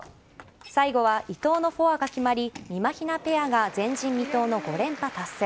最後は伊藤のフォアが決まりみまひなペアが前人未到の５連覇達成。